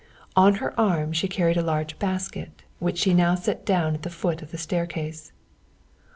On her arm she carried a large basket, which she now set down at the foot of the staircase.